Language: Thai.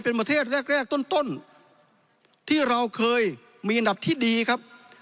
เป็นประเทศแรกแรกต้นที่เราเคยมีอันดับที่ดีครับ